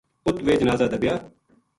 اُت ویہ جنازہ دَبیا